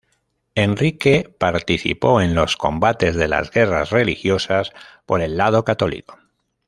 Enrique participó en los combates de las guerras religiosas, por el lado católico.